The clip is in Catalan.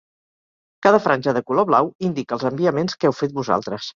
Cada franja de color blau indica els enviaments que heu fet vosaltres.